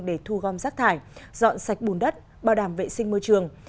để thu gom rác thải dọn sạch bùn đất bảo đảm vệ sinh môi trường